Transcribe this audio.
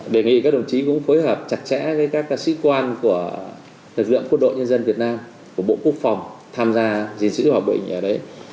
đề nghị các đồng chí cũng phối hợp chặt chẽ với các sĩ quan của lực lượng quân đội nhân dân việt nam của bộ quốc phòng tham gia gìn giữ hòa bình ở đấy